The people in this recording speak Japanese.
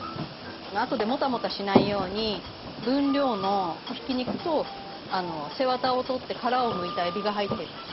あとでもたもたしないように分量のひき肉と背わたを取って殻をむいたえびが入ってます。